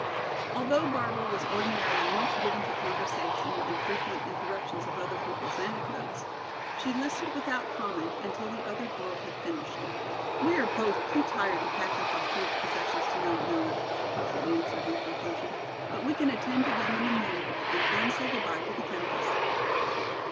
Although Barbara was ordinarily much given to conversation and frequent interruptions of other people's anecdotes, she listened without comment until the other girl had finished. "We are both too tired to pack up our few possessions tonight, Nona," she answered in conclusion; "but we can attend to them in the morning and then say good by to the Countess."